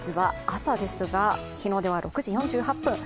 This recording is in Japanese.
まずは、朝ですが、日の出は６時４８分。